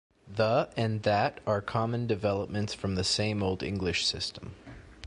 "The" and "that" are common developments from the same Old English system.